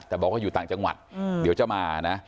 แต่บอกว่าอยู่ต่างจังหวัดเดี๋ยวจะมานะ